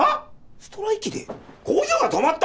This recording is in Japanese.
ストライキで工場が止まった！？